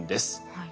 はい。